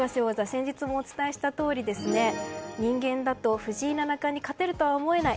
先日もお伝えしたとおり人間だと藤井七冠に勝てるとは思えない。